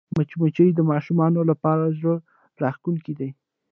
مچمچۍ د ماشومانو لپاره زړهراښکونکې ده